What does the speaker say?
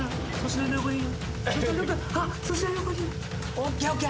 ＯＫＯＫ。